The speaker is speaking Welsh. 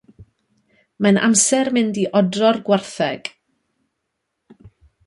Mae'n amser mynd i odro'r gwartheg.